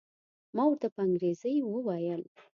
ما ورته په انګریزي وویل.